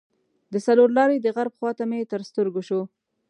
د څلور لارې د غرب خواته مې تر سترګو شو.